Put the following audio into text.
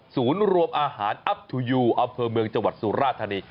ศูนย์รวมอาหารอัพทูยูอำเภอเมืองจังหวัดสุราธานี